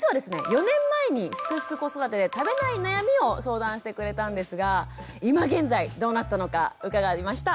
４年前に「すくすく子育て」で食べない悩みを相談してくれたんですが今現在どうなったのか伺いました。